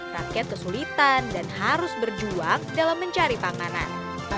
rakyat kesulitan dan harus berjuang dalam mencari panganan